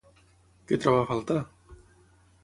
Què troba a faltar?